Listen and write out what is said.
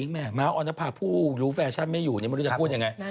แม่ม้าออนภาคผู้รู้แฟชั่นไม่อยู่ไม่รู้จะพูดยังไง